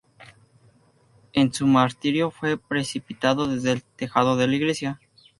En su martirio fue precipitado desde el tejado de la iglesia.